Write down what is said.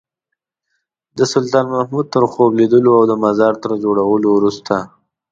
د سلطان محمود تر خوب لیدلو او د مزار تر جوړولو وروسته.